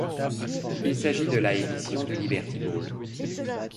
Il s'agit de la édition du Liberty Bowl.